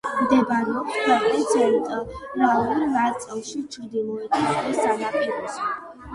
მდებარეობს ქვეყნის ცენტრალურ ნაწილში, ჩრდილოეთის ზღვის სანაპიროზე.